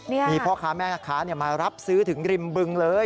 มีพ่อค้าแม่ค้ามารับซื้อถึงริมบึงเลย